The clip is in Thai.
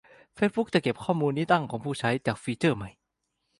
เฟซบุ๊กจะเก็บข้อมูลที่ตั้งของผู้ใช้ จากฟีเจอร์ใหม่